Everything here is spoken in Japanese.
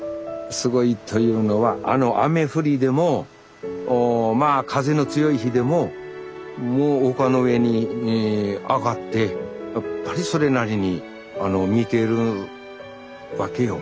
すごいというのはあの雨降りでもまあ風の強い日でも丘の上に上がってやっぱりそれなりに見てるわけよ。